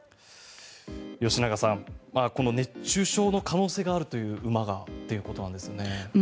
吉永さん、この熱中症の可能性があるという馬がということなんですよね。